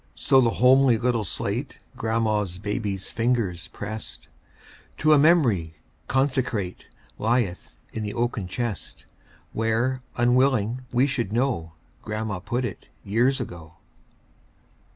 So the homely little slate Grandma's baby's fingers pressed, To a memory consecrate, Lieth in the oaken chest, Where, unwilling we should know, Grandma put it, years ago.